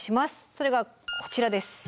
それがこちらです。